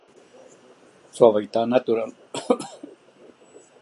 Su hábitat natural son los bosques subtropicales o húmedos tropicales de montaña.